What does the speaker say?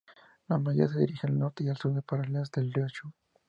La mayoría se dirigen al norte y al sur, paralelas al río Chu.